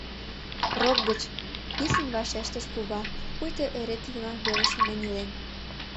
— Рок гыч! — писын вашештыш кува, пуйто эре тидымак веле шонен илен.